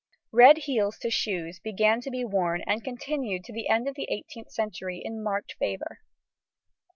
Red heels to shoes began to be worn and continued to the end of the 18th century in marked favour.